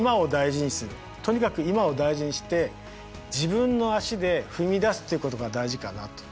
とにかく今を大事にして自分の足で踏み出すということが大事かなと。